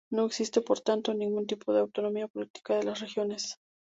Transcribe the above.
No existe, por lo tanto, ningún tipo de autonomía política de las regiones.